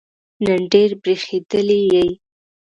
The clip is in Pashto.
نن ډېر برېښېدلی یې